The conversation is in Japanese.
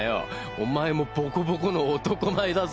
お前もボコボコの男前だぞ。